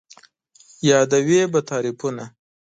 یادوې به تعريفونه